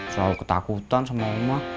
soal ketakutan sama oma